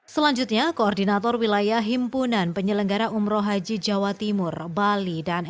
selanjutnya koordinator wilayah himpunan penyelenggara umroh haji jawa timur bali dan